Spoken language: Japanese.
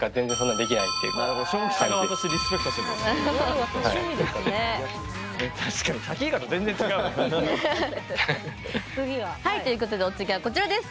はいということでお次はこちらです。